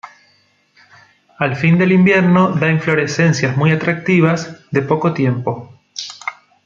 Al fin del invierno da inflorescencias muy atractivas, de poco tiempo.